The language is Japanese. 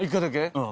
うん。